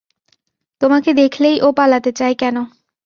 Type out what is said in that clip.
তোমাকে দেখলেই ও পালাতে চায় কেন।